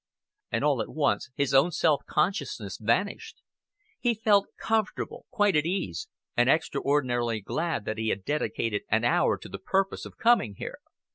And all at once his own self consciousness vanished. He felt comfortable, quite at ease, and extraordinarily glad that he had dedicated an hour to the purpose of coming here.